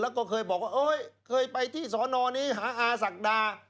แล้วก็เคยบอกว่าเคยไปที่สอนอนี้หาอาศักดา